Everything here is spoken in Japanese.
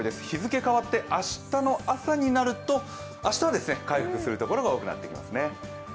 日付変わって明日の朝になると、明日は回復するところが多くなってきますね。